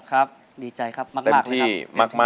ครับดีใจครับมาก